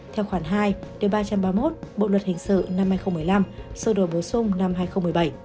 theo khoản hai điều ba trăm ba mươi một bộ luật hình sự năm hai nghìn một mươi năm sơ đổi bổ sung năm hai nghìn một mươi bảy